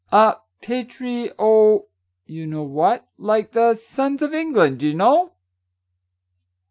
" A patri — oh, you know what ; like the Sons of England, you know